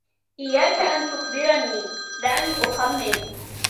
إياك أن تخبرني، دعني أخمن.